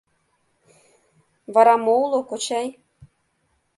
Вара мо уло, кочай?